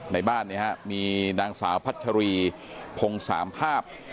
ในบ้านนี้มีนางสาวพัชรีพงสามภาพ